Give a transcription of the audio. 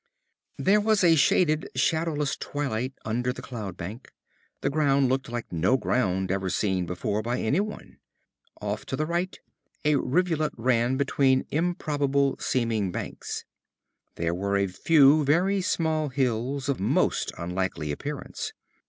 There was a shaded, shadowless twilight under the cloud bank. The ground looked like no ground ever seen before by anyone. Off to the right a rivulet ran between improbable seeming banks. There were a few very small hills of most unlikely appearance.